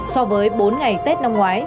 so với bốn ngày tết năm ngoái